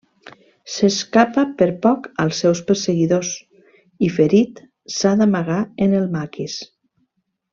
S'escapa per poc als seus perseguidors i, ferit, s'ha d'amagar en el maquis.